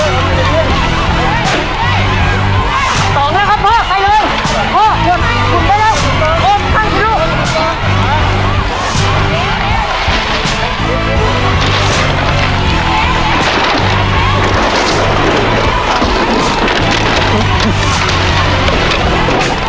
๒แล้วครับพ่อไปเร็วพ่อหยุดไปเร็วโอ้มช่องสิลูก